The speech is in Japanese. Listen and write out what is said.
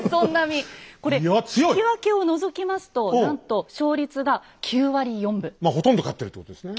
これ引き分けを除きますとなんとまあほとんど勝ってるってことですね。